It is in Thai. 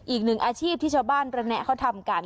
อีกหนึ่งอาชีพที่ชาวบ้านระแนะเขาทำกัน